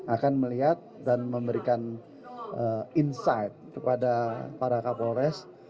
akan melihat dan memberikan insight kepada para kapolres